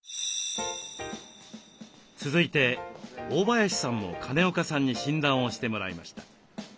続いて大林さんも金岡さんに診断をしてもらいました。